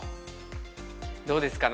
どうですか？